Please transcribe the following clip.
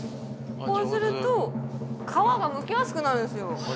こうすると皮がむきやすくなるんですよ